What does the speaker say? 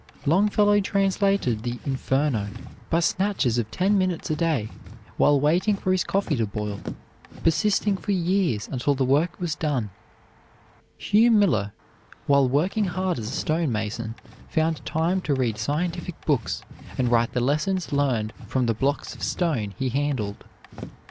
Longfellow translated the "Inferno" by snatches of ten minutes a day, while waiting for his coffee to boil, persisting for years until the work was done. Hugh Miller, while working hard as a stone mason, found time to read scientific books, and write the lessons learned from the blocks of stone he handled.